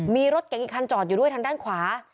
มีรถเก๋งอีกคันจอดอยู่ด้วยทางด้านขวา